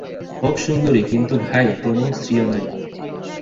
হউক সুন্দরী কিন্তু ভাই, তেমন শ্রী নাই।